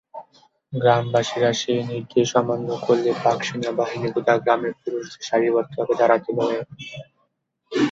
গ্রামবাসীরা সেই নির্দেশ অমান্য করলে পাক সেনাবাহিনী গোটা গ্রামের পুরুষদের সারিবদ্ধভাবে দাঁড়াতে বলে।